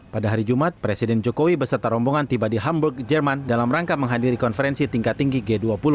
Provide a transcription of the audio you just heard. pada hari jumat presiden jokowi beserta rombongan tiba di hamburg jerman dalam rangka menghadiri konferensi tingkat tinggi g dua puluh